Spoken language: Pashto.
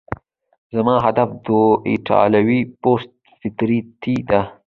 زما هدف د ده ایټالوي پست فطرتي ده.